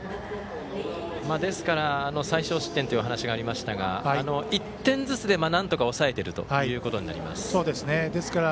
ですから、最少失点というお話がありましたが１点ずつではなんとか抑えているということになります。